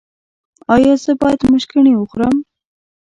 ایا زه باید مشګڼې وخورم؟